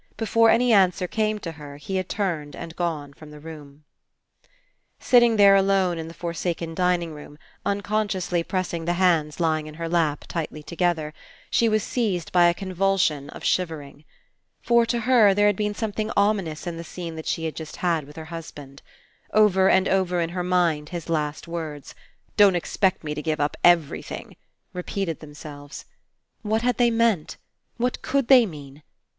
Before any answer came to her, he had turned and gone from the room. Sitting there alone in the forsaken dining room, unconsciously pressing the hands lying in her lap, tightly together, she was seized 193 PASSING by a convulsion of shivering. For, to her, there had been something ominous in the scene that she had just had with her husband. Over and over in her mind his last words: "Don't expect me to give up everything," repeated themselves. What had they meant? What could they mean?